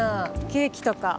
ケーキとか。